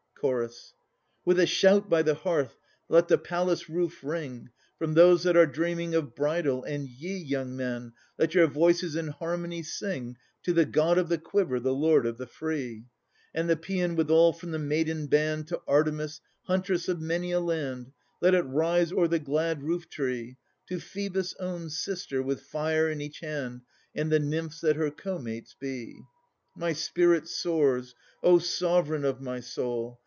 CHORUS With a shout by the hearth let the palace roof ring From those that are dreaming of bridal, and ye, Young men, let your voices in harmony sing To the God of the quiver, the Lord of the free! And the Paean withal from the maiden band To Artemis, huntress of many a land, Let it rise o'er the glad roof tree, To Phoebus' own sister, with fire in each hand, And the Nymphs that her co mates be! My spirit soars. O sovereign of my soul!